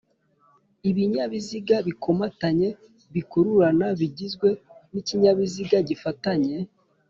ibinyabiziga bikomatanye bikururana bigizwe n'ikinyabiziga gifatanye